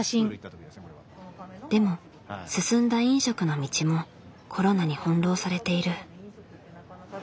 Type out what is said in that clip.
でも進んだ飲食の道もコロナに翻弄されている。